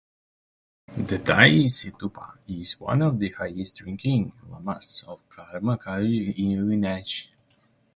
The Tai Situpa is one of the highest-ranking lamas of the Karma Kagyu lineage.